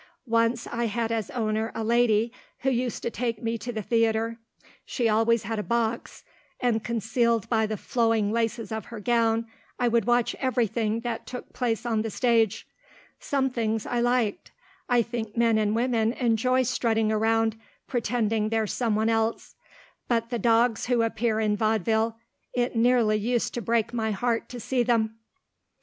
Once I had as owner a lady who used to take me to the theatre. She always had a box, and concealed by the flowing laces of her gown I would watch everything that took place on the stage. Some things I liked. I think men and women enjoy strutting round, pretending they're some one else. But the dogs who appear in vaudeville it nearly used to break my heart to see them.